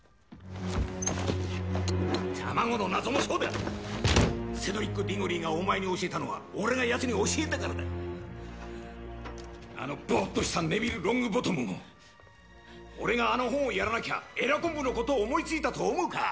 卵の謎もそうだセドリック・ディゴリーがお前に教えたのは俺がヤツに教えたからだあのボーッとしたネビル・ロングボトムも俺があの本をやらなきゃ鰓昆布のことを思いついたと思うか？